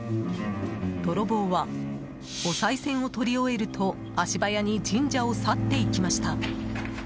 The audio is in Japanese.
泥棒は、おさい銭をとり終えると足早に神社を去っていきました。